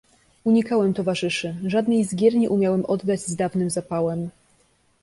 "Unikałem towarzyszy, żadnej z gier nie umiałem oddać się z dawnym zapałem."